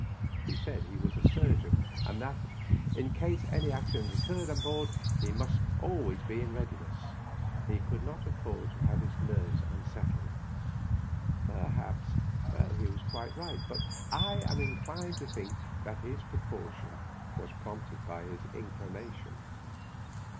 He said he was a surgeon, and that in case any accident occurred on board he must be always in readi ness. He could not afford to have his nerves unsettled. Perhaps he was quite right, but I am inclined to think that his precaution was prompted by his inclination.